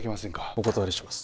お断りします